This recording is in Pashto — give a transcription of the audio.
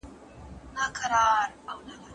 ته ولي نان خورې